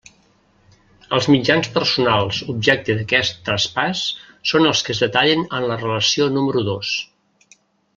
Els mitjans personals objecte d'aquest traspàs són els que es detallen en la relació número dos.